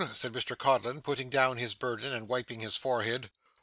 said Mr Codlin, putting down his burden and wiping his forehead.